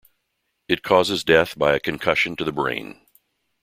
It causes death by a concussion to the brain.